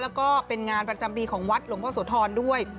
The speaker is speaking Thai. แล้วก็เป็นงานประจำปีของวัดหลวงพ่อโสธรด้วย